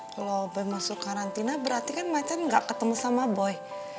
kalo boy masuk karantina berarti kan macem gak ketemu sama boy